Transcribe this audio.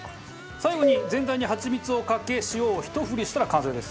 最後に全体にハチミツをかけ塩をひと振りしたら完成です。